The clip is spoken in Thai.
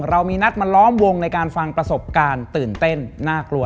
เรามีนัดมาล้อมวงในการฟังประสบการณ์ตื่นเต้นน่ากลัว